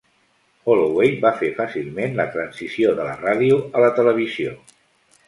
Holloway va fer fàcilment la transició de la ràdio a la televisió.